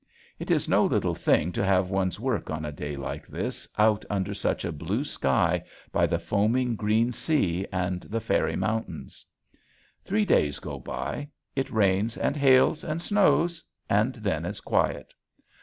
It is no little thing to have one's work on a day like this out under such a blue sky, by the foaming green sea and the fairy mountains. Three days go by. It rains and hails and snows, and then is quiet.